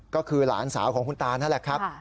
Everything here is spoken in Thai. ก็คือหลานสาวของคุณตานั่นแหละครับ